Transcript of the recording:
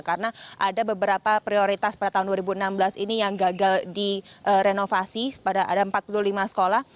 karena ada beberapa prioritas pada tahun dua ribu enam belas ini yang gagal direnovasi pada ada empat puluh lima sekolah